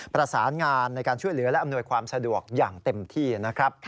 ประสานงานในการช่วยเหลือและอำนวยความสะดวกอย่างเต็มที่นะครับ